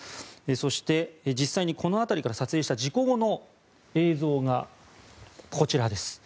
そして、実際にこの辺りから撮影した事故後の映像がこちらです。